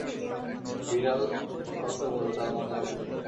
বিড়াল কত বড়-তার মানে আবার কী?